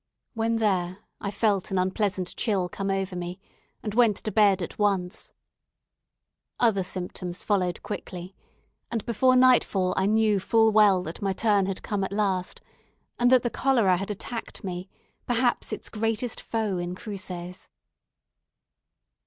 When there, I felt an unpleasant chill come over me, and went to bed at once. Other symptoms followed quickly, and, before nightfall, I knew full well that my turn had come at last, and that the cholera had attacked me, perhaps its greatest foe in Cruces.